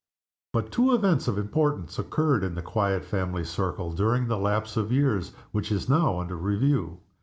But two events of importance occurred in the quiet family circle during the lapse of years which is now under review.